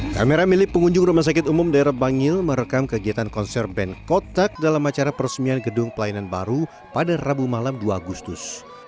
kamera milik pengunjung rumah sakit umum daerah bangil merekam kegiatan konser band kotak dalam acara peresmian gedung pelayanan baru pada rabu malam dua agustus